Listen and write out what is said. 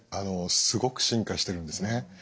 すごく進化してるんですね。